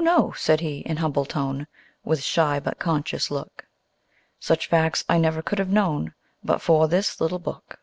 no," said he, in humble tone, With shy but conscious look, "Such facts I never could have known But for this little book."